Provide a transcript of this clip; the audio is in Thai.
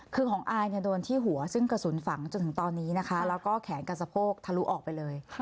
คือของอายโดนที่หัวซึ่งกระสุนฝังจนถึงตอนนี้นะคะแล้วก็แขนกับสะโพกทะลุออกไปเลย